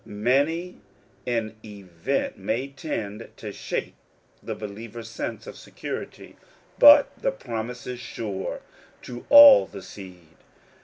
Many an event may tend to shake the believer's sense of security, but " the promise is sure to all the seed."